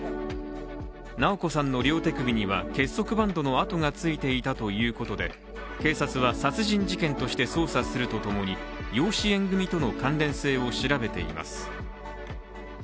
直子さんの両手首には結束バンドのあとがついていたということで警察は殺人事件として捜査するとともに養子縁組との関連性を調べています。